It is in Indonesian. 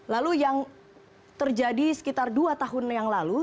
lalu yang terjadi sekitar dua tahun yang lalu